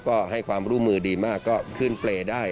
ก็ให้ความร่วมมือดีมากก็ขึ้นเปรย์ได้